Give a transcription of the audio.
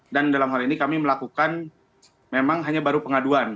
dan dalam hal ini kami melakukan memang hanya baru pengaduan